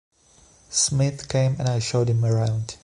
Smyth came and I showed him around.